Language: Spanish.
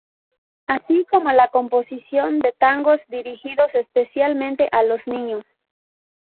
Así como la composición de tangos dirigidos especialmente a los niños.